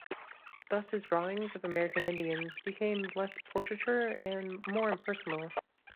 Thus his drawings of American Indians became less portraiture and more impersonal.